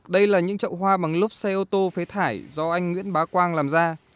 đây là những chậu hoa bằng lốp xe ô tô phế thải do anh nguyễn bá quang làm ra